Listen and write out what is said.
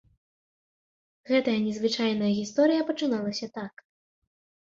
Гэта я незвычайная гісторыя пачыналася так.